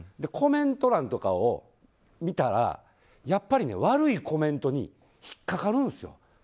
コメント欄とかを見たらやっぱり悪いコメントに引っかかるんですよ。